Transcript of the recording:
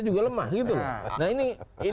juga lemah gitu loh nah ini